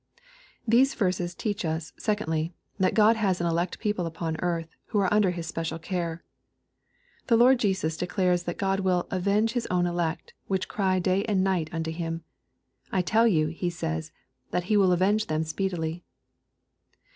These verses teach us, secondly, that Ood has an elect people upon earth, who are under His specisil care. The /Lord Jesus declares that God will " avenge His own ( alect, which cry day and night unto Him." —" I tell you," He says, " that He will avenge them speedily.''